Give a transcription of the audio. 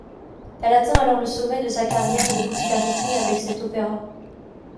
Elle atteint alors le sommet de sa carrière et de popularité avec cet opéra.